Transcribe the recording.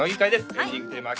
エンディングテーマは＃